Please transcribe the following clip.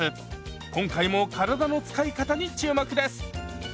今回も体の使い方に注目です！